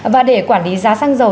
và để quản lý giá sang dầu